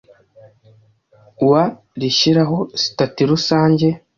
wa rishyiraho sitati rusange